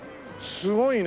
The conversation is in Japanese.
すごいね。